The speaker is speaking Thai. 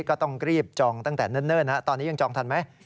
ก็ต้องรีบจองตั้งแต่เนิ่นตอนนี้ยังจองทันไหม